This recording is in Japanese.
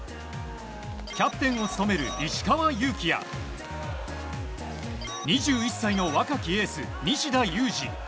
キャプテンを務める石川祐希や２１歳の若きエース、西田有志。